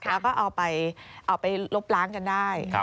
แล้วก็เอาไปลบล้างกันได้